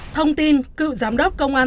thông tin cựu giám đốc công an